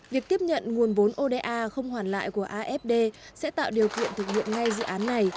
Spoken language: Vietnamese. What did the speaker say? việc tiếp nhận nguồn vốn oda không hoàn lại của afd sẽ tạo điều kiện thực hiện ngay dự án này